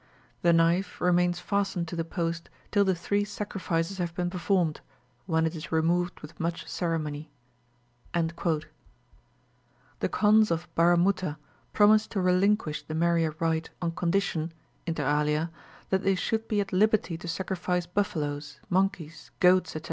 The knife remains fastened to the post till the three sacrifices have been performed, when it is removed with much ceremony." The Kondhs of Bara Mootah promised to relinquish the Meriah rite on condition, inter alia, that they should be at liberty to sacrifice buffaloes, monkeys, goats, etc.